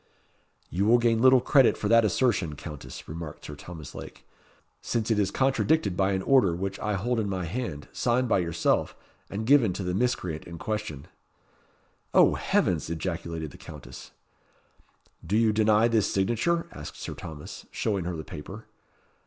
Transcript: "You will gain little credit for that assertion, Countess," remarked Sir Thomas Lake, "since it is contradicted by an order which I hold in my hand, signed by yourself, and given to the miscreant in question." "O Heavens!" ejaculated the Countess. "Do you deny this signature?" asked Sir Thomas, showing her the paper.